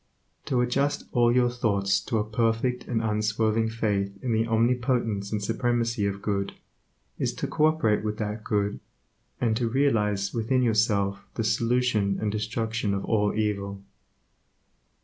To adjust all your thoughts to a perfect and unswerving faith in the omnipotence and supremacy of Good, is to co operate with that Good, and to realize within yourself the solution and destruction of all evil.